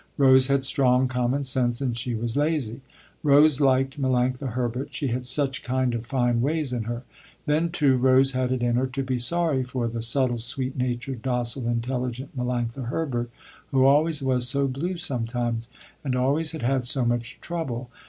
Rose had strong common sense and she was lazy. Rose liked Melanctha Herbert, she had such kind of fine ways in her. Then, too, Rose had it in her to be sorry for the subtle, sweet natured, docile, intelligent Melanctha Herbert who always was so blue sometimes, and always had had so much trouble.